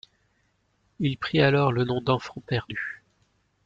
Il prit alors le nom d'Enfant perdu.